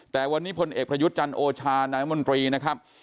แต่วันนี้พลเอกประยุทธ์จันทร์โอชานายมนตรีนะครับ